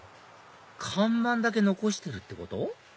看板だけ残してるってこと？